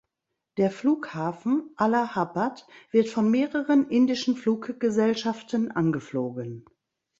Der Flughafen Allahabad wird von mehreren indischen Fluggesellschaften angeflogen.